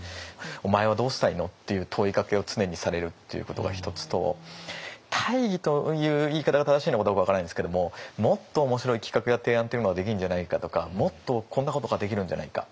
「お前はどうしたいの？」っていう問いかけを常にされるっていうことが一つと大義という言い方が正しいのかどうか分からないんですけどももっと面白い企画や提案っていうのができるんじゃないかとかもっとこんなことができるんじゃないか。